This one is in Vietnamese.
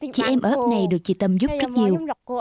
chị em ở ấp này được chị tâm giúp rất nhiều